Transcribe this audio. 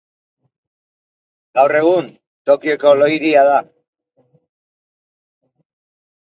Gaur egun Tokioko lo-hiria da.